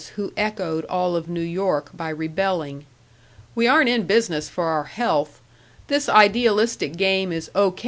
who echoed all of New York by rebelling, "We aren't in business for our health this idealistic game is O.